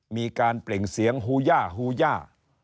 เปล่งเสียงฮูย่าฮูย่า